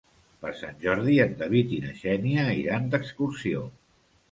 Per Sant Jordi en David i na Xènia iran d'excursió.